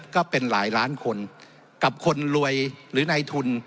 ก็เป็นหลายล้านคนกับคนรวยหรือในทุน